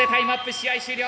試合終了。